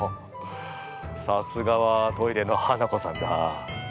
さすがはトイレのハナコさんだ。